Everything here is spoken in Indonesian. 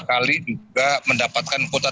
kali juga mendapatkan kuota